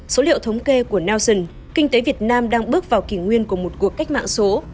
số liệu thống kê của nelson kinh tế việt nam đang bước vào kỷ nguyên của một cuộc cách mạng số